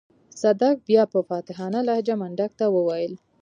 صدک بيا په فاتحانه لهجه منډک ته وويل.